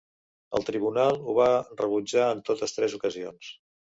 El tribunal ho va rebutjar en totes tres ocasions.